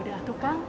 ya udah tukang